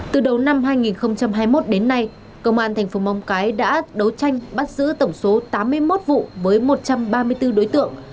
từ đầu năm hai nghìn hai mươi một đến nay công an thành phố móng cái đã đấu tranh bắt giữ tổng số tám mươi một vụ với một trăm ba mươi bốn đối tượng